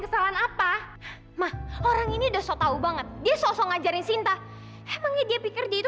kesalahan apa mah orang ini udah so tau banget dia sosok ngajarin sinta emangnya dia pikir dia itu